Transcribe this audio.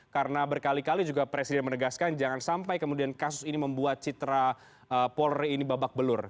karena berkali kali juga presiden menegaskan jangan sampai kemudian kasus ini membuat citra polri ini babak belur